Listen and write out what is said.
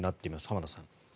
浜田さん。